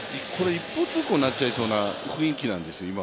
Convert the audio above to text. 一方通行になっちゃいそうな雰囲気なんですよ。